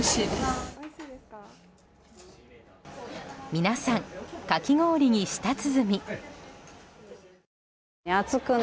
皆さん、かき氷に舌鼓。